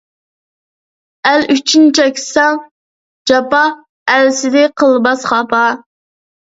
ئەل ئۈچۈن چەكسەڭ جاپا، ئەل سېنى قىلماس خاپا.